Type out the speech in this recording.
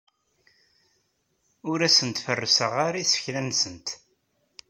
Ur asent-ferrseɣ isekla-nsent.